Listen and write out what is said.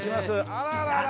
あららら。